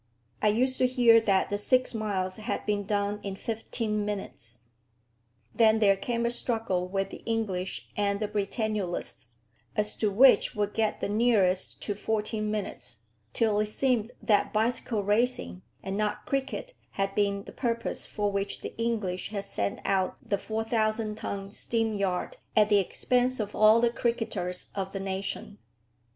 I used to hear that the six miles had been done in fifteen minutes. Then there came a struggle with the English and the Britannulists, as to which would get the nearest to fourteen minutes; till it seemed that bicycle racing and not cricket had been the purpose for which the English had sent out the 4000 ton steam yacht at the expense of all the cricketers of the nation.